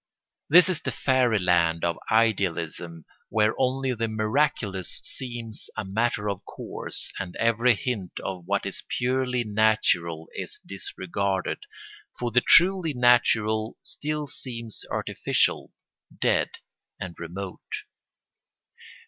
This is the fairy land of idealism where only the miraculous seems a matter of course and every hint of what is purely natural is disregarded, for the truly natural still seems artificial, dead, and remote.